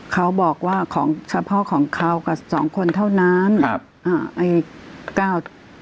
เขาบอกว่าของเฉพาะของเขากับสองคนเท่านั้นครับอ่าไอ้เก้า